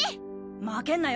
負けんなよ！